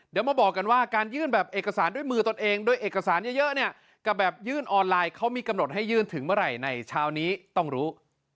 เดี๋ยวมาบอกกันว่าการยื่นแบบเอกสารด้วยมือตนเองด้วยเอกสารเยอะเนี่ยกับแบบยื่นออนไลน์เขามีกำหนดให้ยื่นถึงเมื่อไหร่ในเช้านี้ต้องรู้